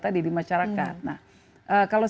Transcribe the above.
tadi di masyarakat nah kalau